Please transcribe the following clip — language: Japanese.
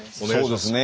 そうですね